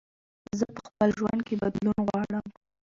زه په خپل ژوند کې بدلون غواړم.